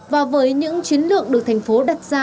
và với những chiến lược được thành phố đặt ra